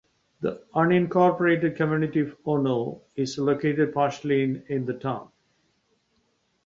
The unincorporated community of Ono is located partially in the town.